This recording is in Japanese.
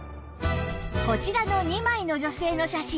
こちらの２枚の女性の写真